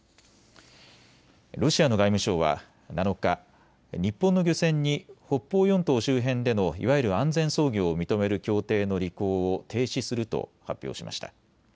ロシアの外務省は７日、日本の漁船に北方四島周辺でのいわゆる安全操業を認める協定の履行を停止すると発表しました。